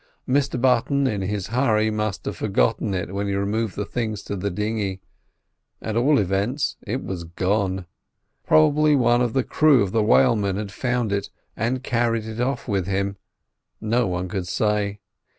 Mr Button in his hurry must have forgotten it when he removed the things to the dinghy—at all events, it was gone. Probably one of the crew of the whalemen had found it and carried it off with him; no one could say.